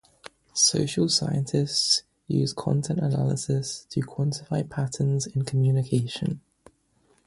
Social scientists use content analysis to quantify patterns in communication.